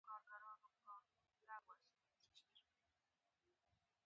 دوه ورځې مخکې